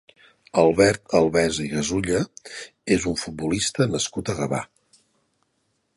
Albert Albesa i Gasulla és un futbolista nascut a Gavà.